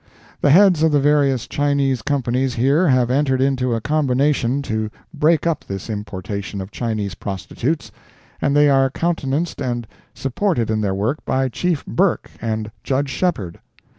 The heads of the various Chinese Companies here have entered into a combination to break up this importation of Chinese prostitutes, and they are countenanced and supported in their work by Chief Burke and Judge Shepheard.